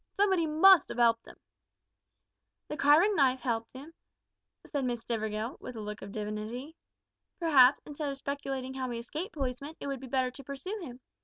Somebody must 'ave 'elped 'im." "The carving knife helped him," said Miss Stivergill, with a look of dignity. "Perhaps, instead of speculating how he escaped, policeman, it would be better to pursue him.